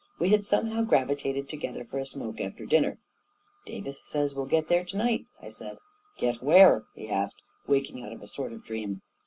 We had somehow gravitated together for a smoke after dinner. " Davis says we'll get there to night," I said. " Get where ?" he asked, waking out of a sort of dream.